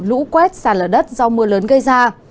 lũ quét sạt lở đất do mưa lớn gây ra